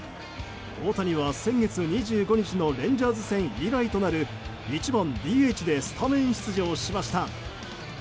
大谷は先月２５日のレンジャーズ戦以来となる１番ＤＨでスタメン出場しました。